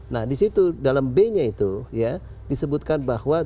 nah di situ dalam b nya itu ya disebutkan bahwa